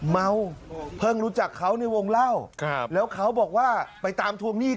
เม้าเพิ่งรู้จักเขาในวงเล่า